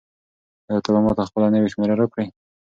آیا ته به ماته خپله نوې شمېره راکړې؟